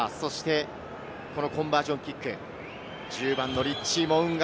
コンバージョンキック、１０番のリッチー・モウンガ。